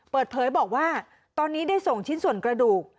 เปิดเผยบอกว่าตอนนี้ได้ส่งชิ้นส่วนกระดูก